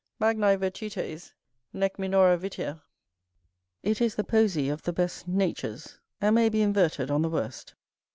Magnæ virtutes, nec minora vitia; it is the posy of the best natures, and may be inverted on the worst.